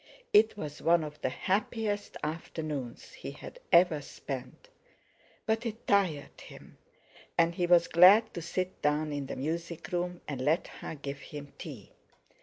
It was one of the happiest afternoons he had ever spent, but it tired him and he was glad to sit down in the music room and let her give him tea.